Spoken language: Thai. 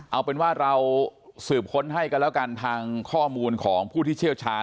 เอาเป็นว่าเราสืบค้นให้กันแล้วกันทางข้อมูลของผู้ที่เชี่ยวชาญ